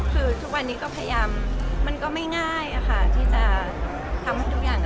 คือทุกวันนี้ก็พยายามมันก็ไม่ง่ายที่จะทำให้ทุกอย่าง